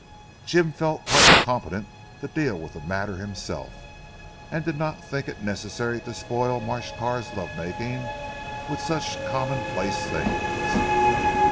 Jim felt quite competent to deal with the matter himself, and did not think it necessary to spoil Marsh Carr's love making with such common place things.